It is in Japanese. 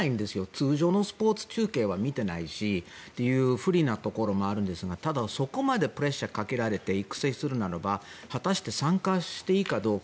通常のスポーツ中継は見ていないしという不利なところもあるんですがただ、そこまでプレッシャーをかけられて育成するならば果たして参加していいかどうか。